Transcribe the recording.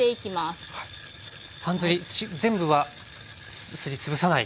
半ずり全部はすり潰さない。